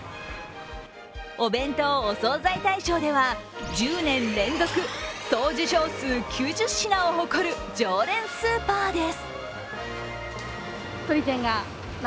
お弁当・お惣菜大賞では１０年連続総受賞数９０品を誇る常連スーパーです。